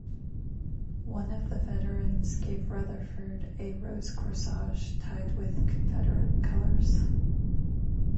One of the veterans gave Rutherford a rose corsage tied with Confederate colors.